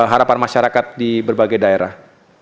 harapan masyarakat di berbagai daerah